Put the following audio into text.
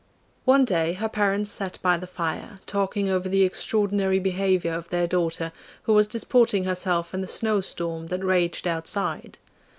One day her parents sat by the fire, talking over the extraordinary behaviour of their daughter, who was disporting herself in the snowstorm that raged outside.